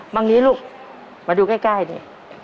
อย่างนี้ลูกมาดูใกล้นี่